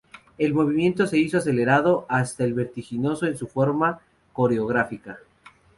El movimiento se hizo acelerado y hasta vertiginoso en su forma coreográfica.